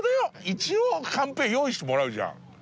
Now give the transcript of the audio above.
一応カンペ用意してもらうじゃん。